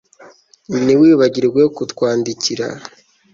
Ntiwibagirwe kutwandikira